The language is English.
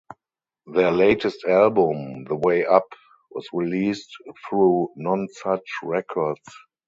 Their latest album, "The Way Up" was released through Nonesuch Records.